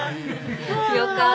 よかった。